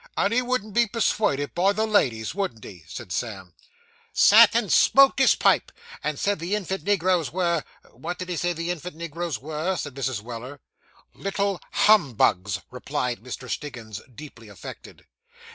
'And he wouldn't be persuaded by the ladies, wouldn't he?' said Sam. 'Sat and smoked his pipe, and said the infant negroes were what did he say the infant negroes were?' said Mrs. Weller. 'Little humbugs,' replied Mr. Stiggins, deeply affected.